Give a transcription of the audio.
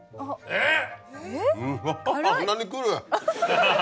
えっ！